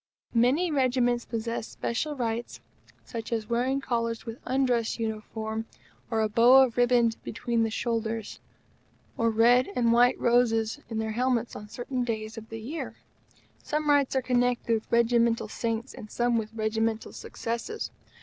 Many Regiments possess special rights, such as wearing collars with undress uniform, or a bow of ribbon between the shoulders, or red and white roses in their helmets on certain days of the year. Some rights are connected with regimental saints, and some with regimental successes.